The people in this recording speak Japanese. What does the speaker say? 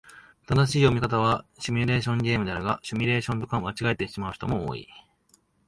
正しい読み方はシミュレーションゲームであるが、シュミレーションと間違えてしまう人も多い。